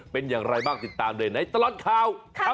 เป็นอย่างไรบ้างติดตามโดยไหนตลอดค่าวค่ำ